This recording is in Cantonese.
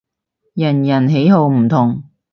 人人喜好唔同